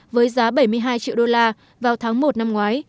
với giá bảy mươi hai triệu đô la vào tháng một năm ngoái